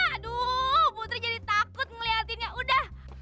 aduh putri jadi takut ngeliatinnya udah